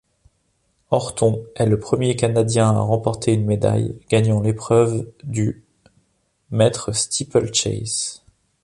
Orton est le premier Canadien à remporter une médaille, gagnant l'épreuve du mètres steeplechase.